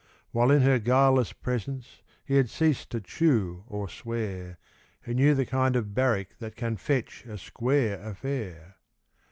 While in her guileless presence he had ceased to chew or swear, He knew the kind of barrack that can fetch a square affair.